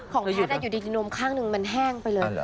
แพทย์อยู่ดีนมข้างหนึ่งมันแห้งไปเลย